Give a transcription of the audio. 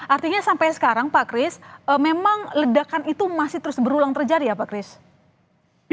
artinya sampai sekarang pak kris memang ledakan itu masih terus berulang terjadi ya pak chris